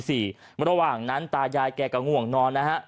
ระหว่างนั้นตายายแกก็ง่วงนอนนะฮะ